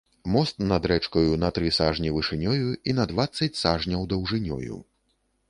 Мост над рэчкаю на тры сажні вышынёю і на дваццаць сажняў даўжынёю.